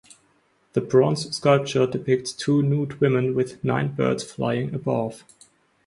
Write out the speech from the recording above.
The bronze sculpture depicts two nude women with nine birds flying above.